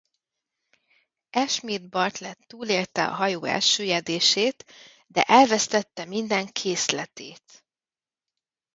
Ashmead-Bartlett túlélte a hajó elsüllyedését de elvesztette minden készletét.